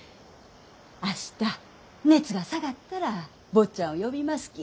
明日熱が下がったら坊ちゃんを呼びますき。